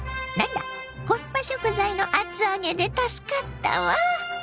コスパ食材の厚揚げで助かったわ。